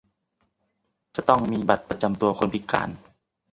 จะต้องมีบัตรประจำตัวคนพิการ